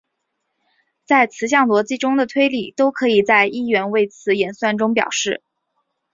在词项逻辑中的推理都可以在一元谓词演算中表示。